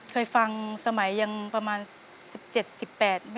เปลี่ยนเพลงเก่งของคุณและข้ามผิดได้๑คำ